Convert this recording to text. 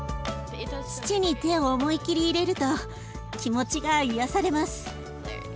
土に手を思い切り入れると気持ちが癒やされます。